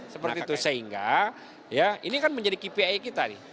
seperti itu sehingga ini kan menjadi kpi kita nih